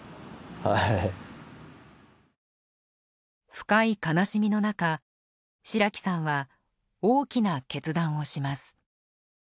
深い悲しみの中白木さんは大きな決断をします。